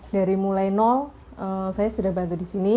dari mulai nol saya sudah bantu di sini